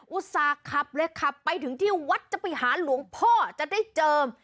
อุตส่าห์ขับเลยครับไปถึงที่วัดพระมิหารหลวงโพธิ์จะได้เจอม